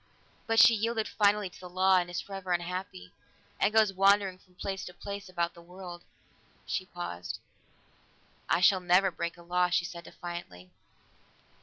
But she yielded finally to the law, and is forever unhappy, and goes wandering from place to place about the world." She paused. "I shall never break a law," she said defiantly.